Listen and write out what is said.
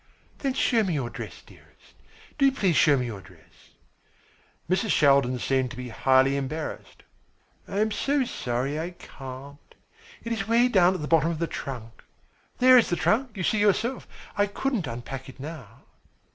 "Then show me your dress, dearest. Do please show me your dress." Mrs. Shaldin seemed to be highly embarrassed. "I am so sorry I can't. It is way down at the bottom of the trunk. There is the trunk. You see yourself I couldn't unpack it now."